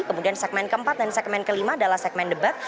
kemudian segmen keempat dan segmen kelima adalah segmen debat